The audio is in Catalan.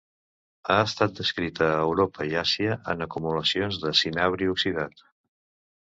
Ha estat descrita a Europa i Àsia en acumulacions de cinabri oxidat.